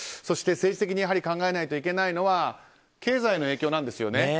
そして、政治的に考えないといけないのは経済の影響なんです。